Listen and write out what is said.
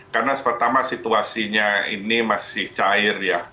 karena pertama situasinya ini masih cair ya